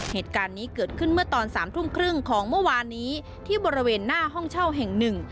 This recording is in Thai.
เหตุการณ์นี้เกิดขึ้นเมื่อตอนสามทุ่มครึ่งของเมื่อวานนี้ที่บริเวณหน้าห้องเช่าแห่งหนึ่ง